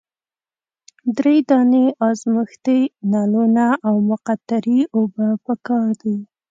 دری دانې ازمیښتي نلونه او مقطرې اوبه پکار دي.